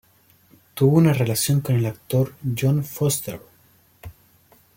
Tuvo una relación con el actor Jon Foster.